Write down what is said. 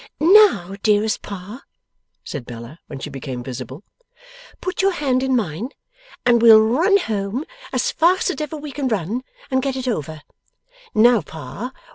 'Now, dearest Pa,' said Bella, when she became visible, 'put your hand in mine, and we'll run home as fast as ever we can run, and get it over. Now, Pa.